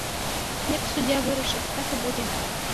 Як суддзя вырашыць, так і будзе.